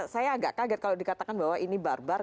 saya agak kaget kalau dikatakan bahwa ini barbar